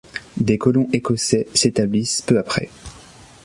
Des colons écossais s'établissent peu après.